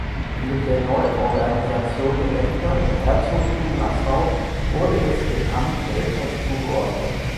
Mit der Neuorganisation der Ämter im Herzogtum Nassau wurde es dem Amt Selters zugeordnet.